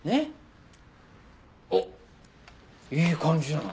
おっいい感じじゃない！